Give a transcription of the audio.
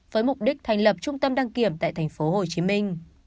với mục đích thành lập trung tâm đăng kiểm tại thành phố hồ chí minh